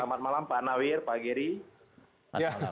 selamat malam pak nawir pak giri